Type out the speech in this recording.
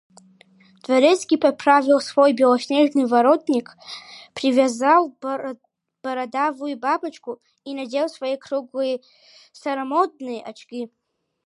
Дворецкий поправил свой белоснежный воротник, привязал бардовую бабочку и надел свои круглые старомодные очки.